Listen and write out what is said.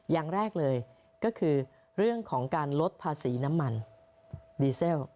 อย่างแรกเลยก็คือเรื่องของการลดภาษีน้ำมันดีเซล